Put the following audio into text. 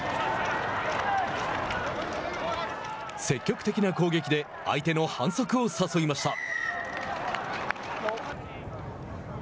積極的な攻撃で相手の反則を誘いました。